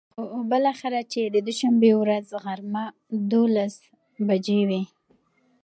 خو بلااخره چې د دوشنبې ورځ غرمه ،دولس بچې وې.